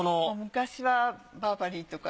昔はバーバリーとか。